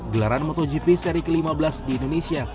gelaran motogp seri ke lima belas di indonesia